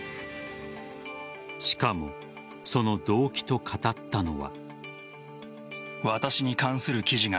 しかも、その動機と語ったのは。